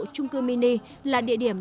trung cư mini là địa điểm